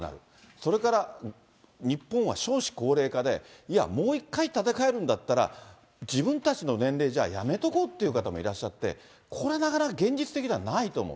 それから日本は少子高齢化で、いや、もう一回建て替えるんだったら、自分たちの年齢じゃやめとこうっていう方もいらっしゃって、これ、なかなか現実的ではないと思う。